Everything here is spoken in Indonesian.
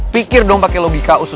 pikir dong pake logika usus gue